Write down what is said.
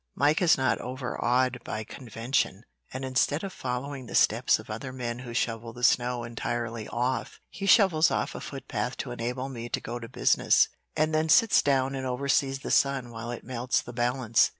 Mike is not overawed by convention, and instead of following the steps of other men who shovel the snow entirely off, he shovels off a footpath to enable me to go to business, and then sits down and oversees the sun while it melts the balance.